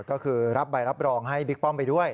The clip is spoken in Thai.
ก็คือรับใบรับรองให้บิ๊กป้อมไปด้วย